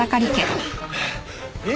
えっ？